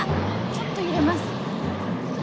ちょっと揺れます。